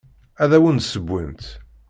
Ad awent-d-ssewwent.